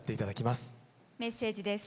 メッセージです。